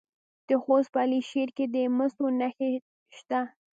د خوست په علي شیر کې د مسو نښې شته.